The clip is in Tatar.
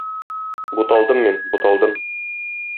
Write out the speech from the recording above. Буталдым мин, буталдым.